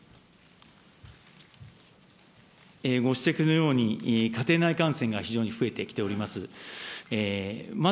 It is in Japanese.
ご指摘のように、家庭内感染が非常に増えてきております。